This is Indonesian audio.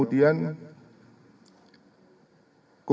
ini kebenaran yang dipercaya